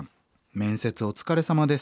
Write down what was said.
「面接お疲れさまです。